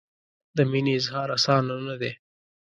د مینې اظهار اسانه نه دی.